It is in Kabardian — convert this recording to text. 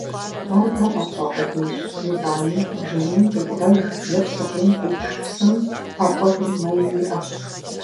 Ар дэ къэтщӀа къудейщ, итӀани бжьамийм къидгъэж е псыкъуийм къитш псым ӀэфӀыгъи, мэи иӀэщ.